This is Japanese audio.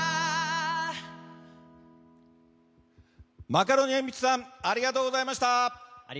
マカロニえんぴつさんありがとうございました。